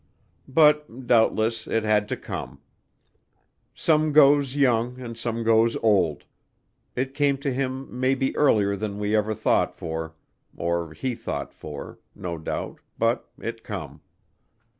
But, doubtless, it had to come. Some goes young and some goes old. It came to him maybe earlier than we ever thought for, or he thought for, no doubt, but it come.